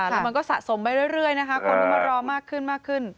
แล้วมันก็สะสมไปเรื่อยนะคะคนรอมากขึ้น